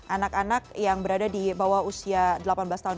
anak anak yang berada di bawah usia delapan belas tahun